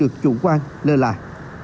chủ quan lê lại